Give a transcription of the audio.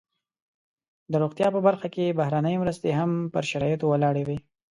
د روغتیا په برخه کې بهرنۍ مرستې هم پر شرایطو ولاړې وي.